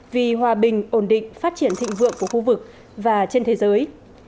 vì hòa bình ổn định phát triển thịnh vượng của khu vực và trên thế giới